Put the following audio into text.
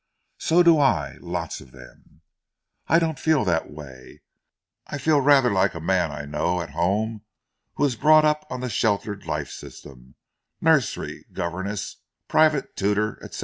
"So do I. Lots of them." "I don't feel that way. I feel rather like a man I know at home who was brought up on the sheltered life system, nursery governess, private tutor, etc.